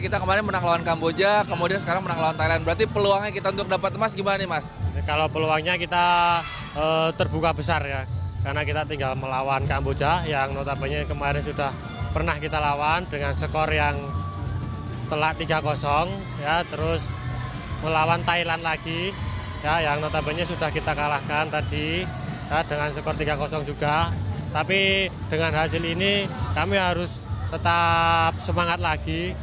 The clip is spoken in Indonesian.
tiga kosong juga tapi dengan hasil ini kami harus tetap semangat lagi